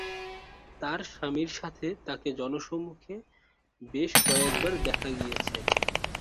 তার স্বামীর সাথে তাকে জনসম্মুখে বেশ কয়েকবার দেখা গিয়েছে।